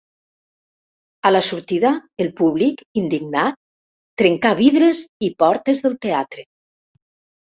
A la sortida, el públic, indignat, trencà vidres i portes del teatre.